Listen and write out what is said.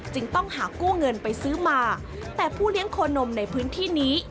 ต้องหากู้เงินไปซื้อมาแต่ผู้เลี้ยงโคนมในพื้นที่นี้